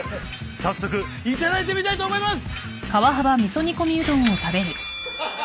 早速頂いてみたいと思います！